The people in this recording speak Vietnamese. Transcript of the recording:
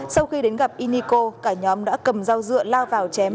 sau khi đến gặp y niko cả nhóm đã cầm dao dựa lao vào chém